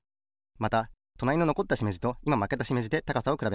またとなりののこったしめじといままけたしめじで高さをくらべます。